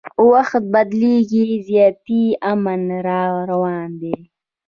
وخت بدلیږي زیاتي امن را روان دی